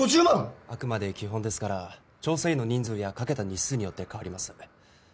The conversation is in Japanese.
あくまで基本ですから調査員の人数やかけた日数によって変わります。